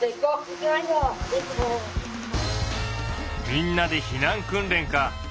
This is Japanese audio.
みんなで避難訓練か。